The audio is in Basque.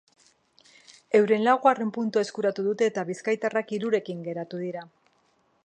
Euren laugarren puntua eskuratu dute eta bizkaitarrak hirurekin geratu dira.